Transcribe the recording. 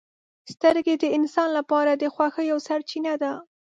• سترګې د انسان لپاره د خوښیو سرچینه ده.